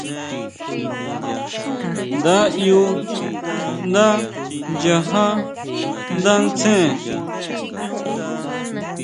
Nda ʼyú ndá nyajá ndá ntsén.